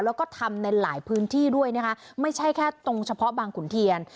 แล้วก็ทำในหลายพื้นที่ด้วยนะคะไม่ใช่แค่ตรงเฉพาะบางขุนเทียน